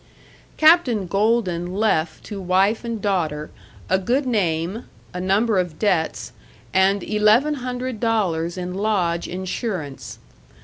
§ 2 Captain Golden left to wife and daughter a good name, a number of debts, and eleven hundred dollars in lodge insurance.